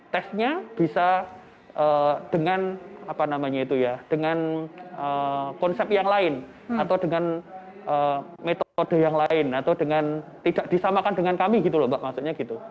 tesnya bisa dengan konsep yang lain atau dengan metode yang lain atau dengan tidak disamakan dengan kami gitu loh pak maksudnya gitu